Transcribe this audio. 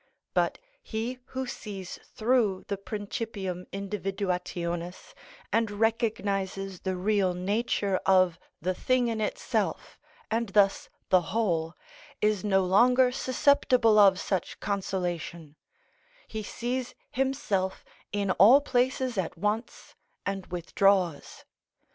But he who sees through the principium individuationis, and recognises the real nature of the thing in itself, and thus the whole, is no longer susceptible of such consolation; he sees himself in all places at once, and withdraws.